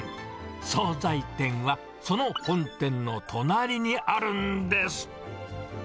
総菜店はその本店の隣にあるんです。